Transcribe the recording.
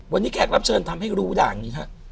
วันนี้แขกรับเชิญทำให้รู้ด่านนี้ฮะ